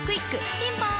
ピンポーン